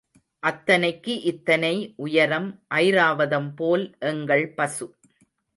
அத்தனைக்கு இத்தனை உயரம், ஐராவதம் போல் எங்கள் பசு.